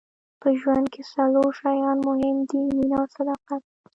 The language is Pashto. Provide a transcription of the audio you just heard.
په ژوند کې څلور شیان مهم دي مینه او صداقت.